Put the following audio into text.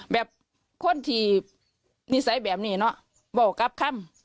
แบบคนที่นิสัยแบบนี้เนอะบอกกลับคำ